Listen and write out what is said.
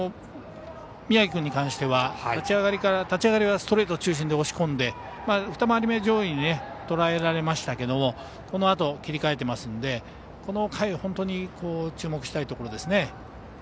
宮城君に関しては立ち上がりストレート中心で押し込んで２回り目上位にとらえられましたけれどもこのあと切り替えてますのでこの回、本当に注目したいところです。